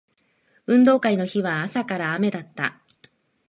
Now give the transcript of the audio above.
運動会の日は朝から雨だった